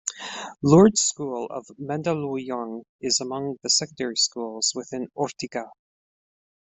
Lourdes School of Mandaluyong is among the secondary schools within Ortigas.